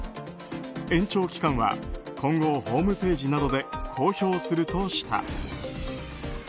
延長期間は今後ホームページなどで公表するとした。